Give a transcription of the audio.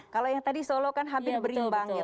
kalau yang tadi solo kan hampir berimbang gitu